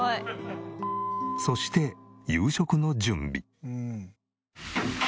そして夕食の準備。